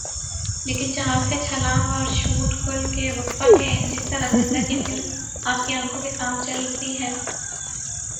لیکن جہاز سے چھلانگ ر اور شوٹ کھل کے وقفہ کے ان جسطرح زندہ کی فلم آپ کی آنکھوں کے سام چلتی ہے